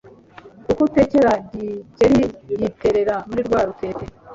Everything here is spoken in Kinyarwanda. Uko atekera Gikeli yiterera muri rwa rutete